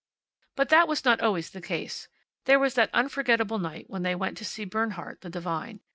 But that was not always the case. There was that unforgettable night when they went to see Bernhardt the divine.